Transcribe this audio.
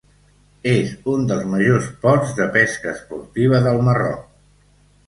És un dels majors ports de pesca esportiva del Marroc.